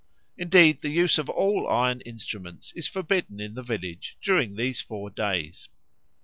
Indeed the use of all iron instruments is forbidden in the village during these four days.